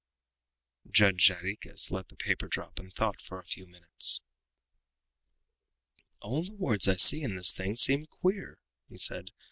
_ Judge Jarriquez let the paper drop, and thought for a few minutes. "All the words I see in this thing seem queer!" he said.